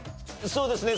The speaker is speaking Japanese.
そうですね。